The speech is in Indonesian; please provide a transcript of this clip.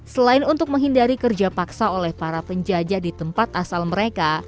selain untuk menghindari kerja paksa oleh para penjajah di tempat asal mereka